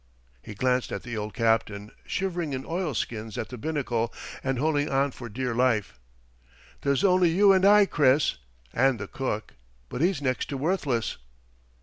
He glanced at the old captain, shivering in oilskins at the binnacle and holding on for dear life. "There's only you and I, Chris—and the cook; but he's next to worthless!"